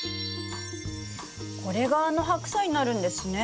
これがあのハクサイになるんですね。